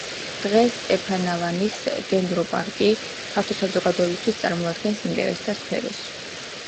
დღეს სტეფანავანის დენდროპარკი ფართო საზოგადოებისთვის წარმოადგენს ინტერესთა სფეროს.